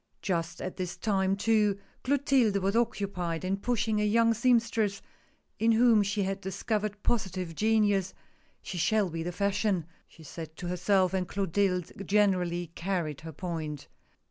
Just at this time too Clo tilde was occupied in push ing a young seamstress in whom she had discovered positive genius —" She shall be the fashion !" she said to herself, and Clotilde generally carried her point.